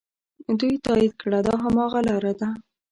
دوی تایید کړه دا هماغه لاره ده.